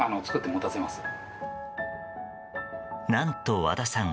何と和田さん